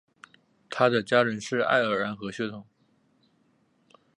他的家人是爱尔兰和血统。